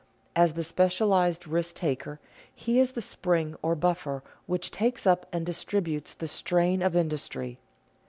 As the specialized risk taker, he is the spring or buffer, which takes up and distributes the strain of industry.